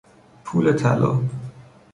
پول طلا